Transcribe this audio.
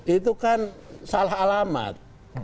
itu kan salah alamat